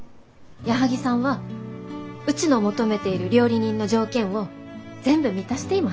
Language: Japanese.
矢作さんはうちの求めている料理人の条件を全部満たしています。